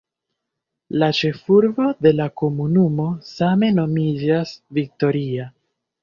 La ĉefurbo de la komunumo same nomiĝas "Victoria".